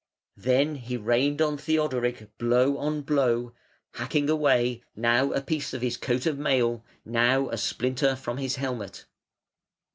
Then he rained on Theodoric blow on blow, hacking away now a piece of his coat of mail, now a splinter from his helmet.